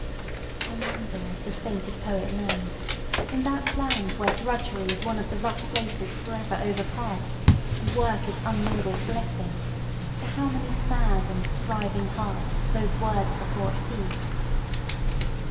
ŌĆØ I wonder if the sainted poet knowsŌĆöin that land where drudgery is one of the rough places forever overpast, and work is unmingled blessingŌĆöto how many sad and striving hearts those words have brought peace?